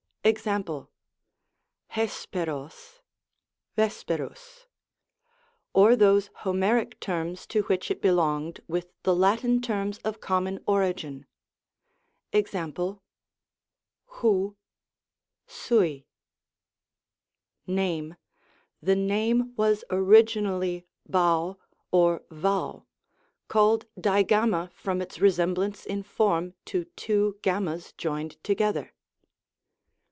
jEfe., tOTttQogy vesperus ; or those Homeric terms to which it belonged with the Latin terms of common origin. Mo.^ ovj sui. Name. — ^The name was originally J3av or Vau; called Digamma from its resemblance in form to two jT's joined together.